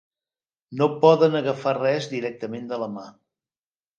No poden agafar res directament de la mà.